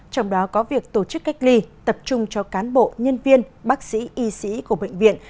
trong đó có việc tổ chức cách ly tập trung cho cán bộ nhân viên bác sĩ y sĩ của bệnh viện